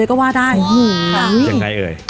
ยังไงเอ๋ย